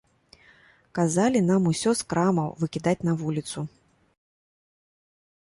Казалі нам усё з крамаў выкідаць на вуліцу.